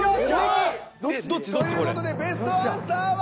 これ。という事でベストアンサーは？